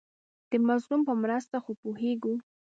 د مظلوم په مرسته خو پوهېږو.